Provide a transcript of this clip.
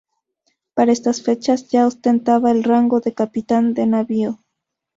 Para estas fechas ya ostentaba el rango de capitán de navío.